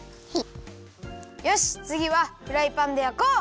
よしつぎはフライパンでやこう！